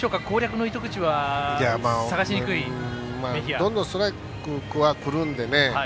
どんどんストライクはくるんで。